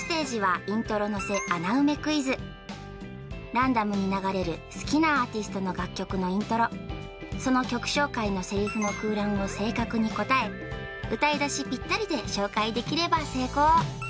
ランダムに流れる好きなアーティストの楽曲のイントロその曲紹介のせりふの空欄を正確に答え歌いだしぴったりで紹介できれば成功